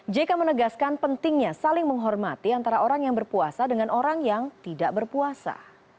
jk menegaskan pentingnya saling menghormati antara orang yang berpuasa dengan orang yang tidak berpuasa